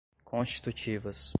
constitutivas